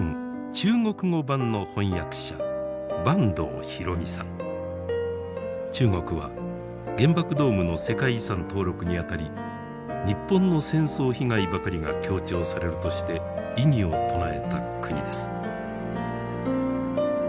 中国語版の中国は原爆ドームの世界遺産登録に当たり日本の戦争被害ばかりが強調されるとして異議を唱えた国です。